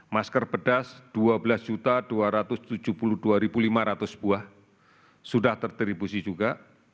masker pedas dua belas dua ratus tujuh puluh dua lima ratus buah sudah tertribusi juga